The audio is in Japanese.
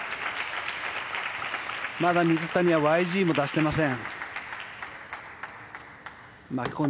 まだ水谷はＹＧも出していません。